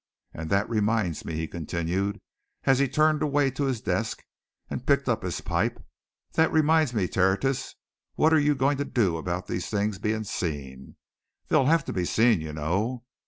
And that reminds me," he continued, as he turned away to his desk and picked up his pipe, "that reminds me, Tertius what are you going to do about these things being seen? They'll have to be seen, you know.